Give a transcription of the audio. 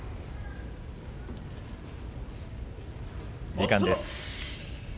時間です。